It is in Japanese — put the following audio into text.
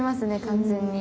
完全に。